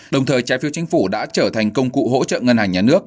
đồng thời trái phiếu chính phủ đã trở thành công cụ hỗ trợ ngân hàng nhà nước